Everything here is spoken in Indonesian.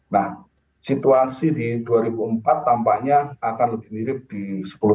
nah situasi di dua ribu empat tampaknya akan lebih mirip di sejak dua ribu sembilan belas